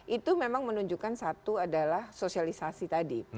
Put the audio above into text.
itu memang menunjukkan satu adalah sosialisasi tadi